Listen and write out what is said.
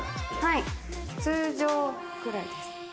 通常くらいです。